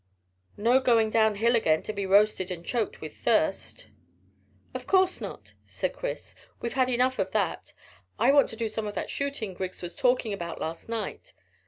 "No going down hill again to be roasted and choked with thirst." "Of course not," said Chris; "we've had enough of that. I want to do some of that shooting Griggs was talking about last night."